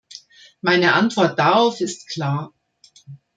Meine Antwort darauf ist klar.